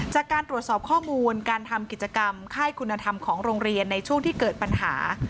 จากการตรวจสอบข้อมูลการทำกิจกรรมค่ายคุณธรรมของโรงเรียนในช่วงที่เกิดปัญหา